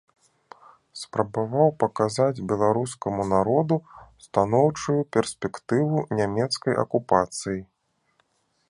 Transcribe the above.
Спрабаваў паказаць беларускаму народу станоўчую перспектыву нямецкай акупацыі.